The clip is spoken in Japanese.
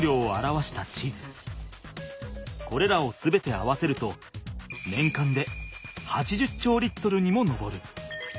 これらを全て合わせると年間で８０兆Ｌにも上る。